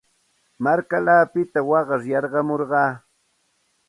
Markallaapita waqar yarqamurqaa.